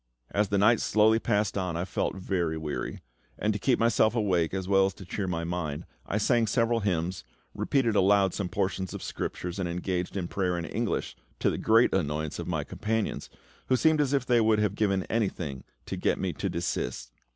As the night slowly passed on, I felt very weary; and to keep myself awake, as well as to cheer my mind, I sang several hymns, repeated aloud some portions of Scripture, and engaged in prayer in English, to the great annoyance of my companions, who seemed as if they would have given anything to get me to desist.